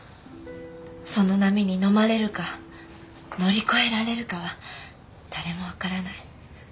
その波にのまれるか乗り越えられるかは誰も分からない。